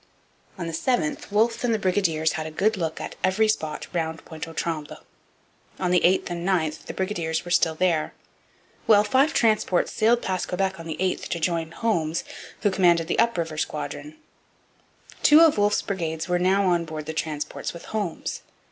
On the 7th Wolfe and the brigadiers had a good look at every spot round Pointe aux Trembles. On the 8th and 9th the brigadiers were still there; while five transports sailed past Quebec on the 8th to join Holmes, who commanded the up river squadron. Two of Wolfe's brigades were now on board the transports with Holmes.